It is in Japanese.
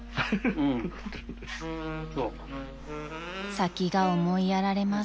［先が思いやられます］